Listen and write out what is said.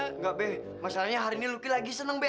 enggak be masalahnya hari ini luki lagi seneng be